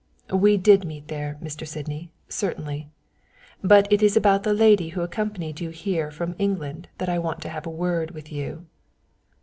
"We did meet there, Mr. Sydney, certainly, but it is about the lady who accompanied you here from England that I want to have a word with you."